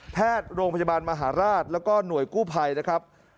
แพทย์โรงพยาบาลมหาราชแล้วก็หน่วยกู้ภัยนะครับ